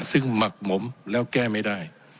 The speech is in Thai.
ซึ่งหมักหมมแล้วแก้ไม่ได้